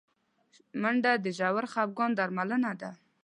منډه د ژور خفګان درملنه ده